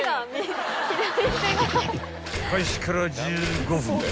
［開始から１５分で］